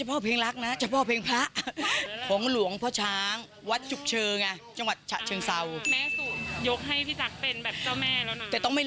พี่ละกันอะไรอย่างเงี้ย